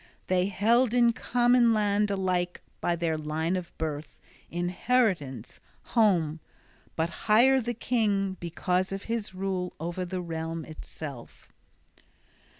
They held in common land alike by their line of birth, inheritance, home: but higher the king because of his rule o'er the realm itself.